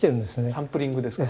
サンプリングですね。